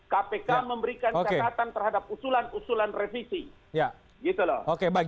kpk memberikan catatan terhadap usulan usulan revisi